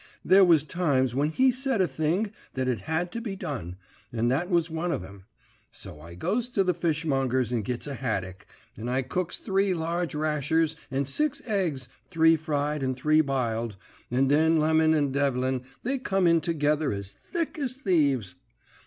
There was times when he said a thing that it had to be done, and that was one of 'em. So I goes to the fishmonger's and gits a haddick, and I cooks three large rashers and six eggs three fried and three biled and then Lemon and Devlin they come in together as thick as thieves.